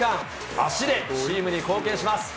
足でチームに貢献します。